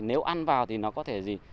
nếu ăn vào thì nó có thể gì